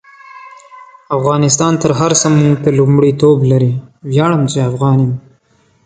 افغانستان تر هر سه مونږ ته لمړیتوب لري: ویاړم چی افغان يم